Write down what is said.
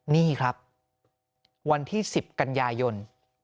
นี่ครับวันที่๑๐กันยายน